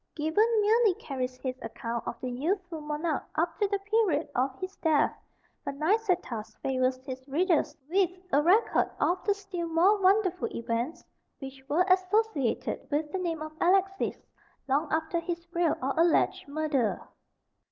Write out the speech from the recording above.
Gibbon merely carries his account of the youthful monarch up to the period of his death, but Nicetas favours his readers with a record of the still more wonderful events which were associated with the name of Alexis, long after his real or alleged murder.